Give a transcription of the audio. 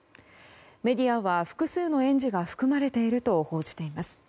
メディアは複数の園児が含まれていると報じています。